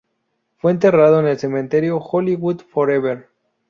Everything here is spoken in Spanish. Fue enterrado en el Cementerio Hollywood Forever.